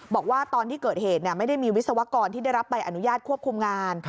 บอกว่าตอนที่เกิดเหตุไม่ได้มีวิศวกรที่ได้รับใบอนุญาตควบคุมงาน